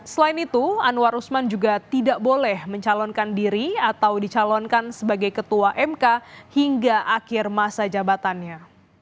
selain itu anwar usman juga tidak boleh mencalonkan diri atau dicalonkan sebagai ketua mk hingga akhir masa jabatannya